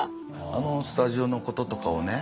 あのスタジオのこととかをね